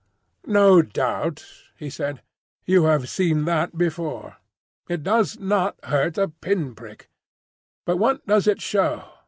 "No doubt," he said, "you have seen that before. It does not hurt a pin prick. But what does it show?